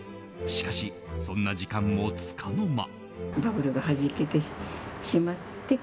しかし、そんな時間もつかの間。